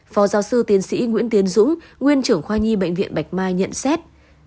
phó giáo sư tiến sĩ nguyễn tiến dũng nguyên trưởng khoa nhi bệnh viện bạch mai nhận xét